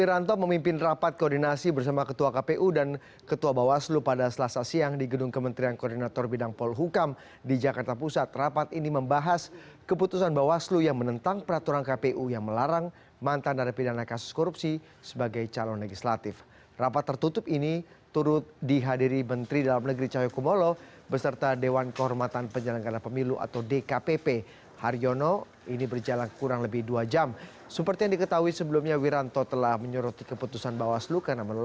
arief khawatir hal itu dapat membuat koruptor yang sempat gagal maju mengajukan sengketa ke bawaslu